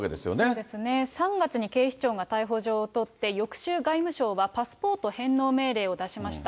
そうですね、３月に警視庁が逮捕状を取って、翌週、外務省はパスポート返納命令を出しました。